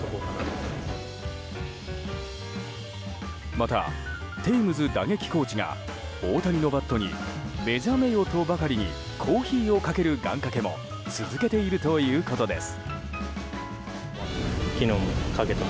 また、テームズ打撃コーチが大谷のバットに目覚めよとばかりにコーヒーをかける願掛けも続けているということです。